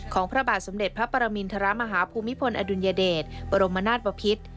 พระบาทสมเด็จพระปรมินทรมาฮภูมิพลอดุลยเดชบรมนาศบพิษ